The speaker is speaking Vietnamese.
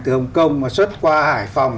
từ hồng kông mà xuất qua hải phòng